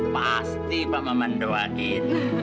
pasti pak maman doain